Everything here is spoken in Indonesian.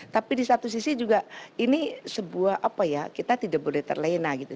tapi di satu sisi juga ini sebuah apa ya kita tidak boleh terlena gitu